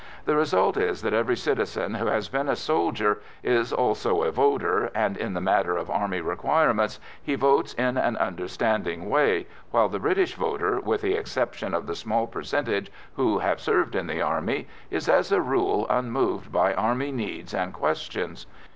The result is that every citizen who has been a soldier is also a voter, and in the matter of army requirements he votes in an understanding way, while the British voter, with the exception of the small percentage who have served in the Army, is as a rule unmoved by Army needs and questions.